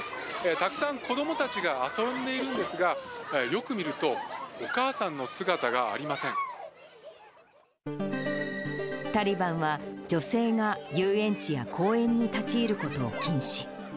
たくさん子どもたちが遊んでいるんですが、よく見ると、タリバンは女性が遊園地や公園に立ち入ることを禁止。